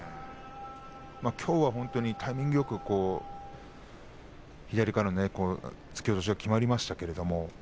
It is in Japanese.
きょうは本当にタイミングよく左からの突き落としがきまりましたけれども。